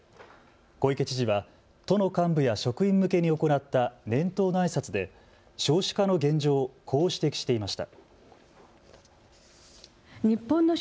小池知事は都の幹部や職員向けに行った年頭のあいさつで少子化の現状をこう指摘していました。